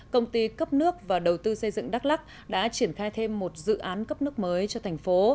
công ty cấp nước và đầu tư xây dựng đắk lắc đã triển khai thêm một dự án cấp nước mới cho thành phố